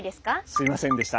すみませんでした。